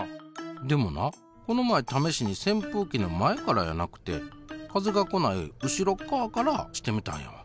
でもなこの前ためしにせんぷうきの前からやなくて風が来ない後ろっかわからしてみたんやわ。